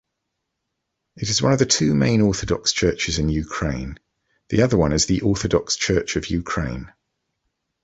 It is one of the two main Orthodox Churches in Ukraine. The other one is the Orthodox Church of Ukraine.